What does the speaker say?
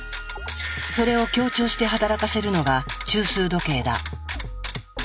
それを協調して働かせるのが中枢時計だ。